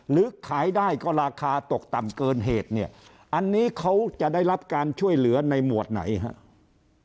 หรือขายได้ก็ราคาตกต่ำเกินเหตุเนี่ยอันนี้เขาจะได้รับการช่วยเหลือในหมวดไหนครับ